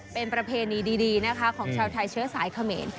เป็นประเพณีดีนะคะของชาวไทยเชื้อสายเขมร